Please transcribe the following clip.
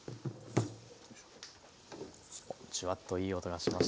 ジュワッといい音がしました。